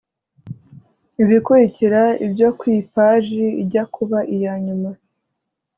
Ibikurikira ibyo ku ipaji ijya kuba inyuma